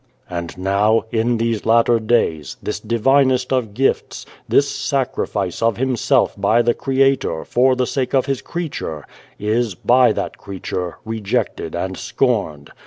186 and the Devil " And now, in these latter days, this divinest of gifts this sacrifice of Himself by the Creator, for the sake of His creature is, by that creature, rejected and scorned.